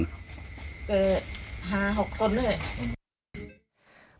ห้าหกคนเลย